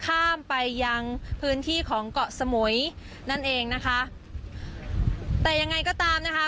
ข้ามไปยังพื้นที่ของเกาะสมุยนั่นเองนะคะแต่ยังไงก็ตามนะคะ